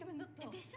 でしょ？